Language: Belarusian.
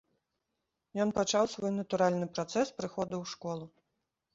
Ён пачаў свой натуральны працэс прыходу ў школу.